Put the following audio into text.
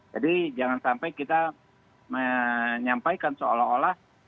jadi jangan sampai kita menyampaikan seolah olah